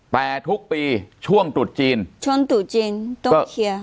แต่ทุกปีช่วงตรุษจีนช่วงตรุษจีนต้องเคลียร์